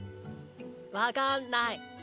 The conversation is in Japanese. わかんない。